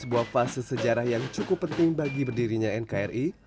sebuah fase sejarah yang cukup penting bagi berdirinya nkri